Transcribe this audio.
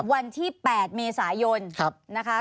วันที่๘เมษายนนะคะ